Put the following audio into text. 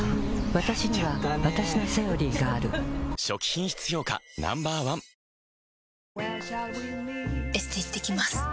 わたしにはわたしの「セオリー」がある初期品質評価Ｎｏ．１エステ行ってきます。